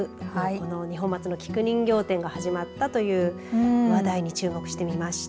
二本松の菊人形展が始まったという話題に注目してみました。